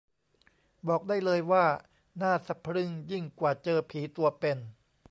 บอกได้เลยว่าน่าสะพรึงยิ่งกว่าเจอผีตัวเป็น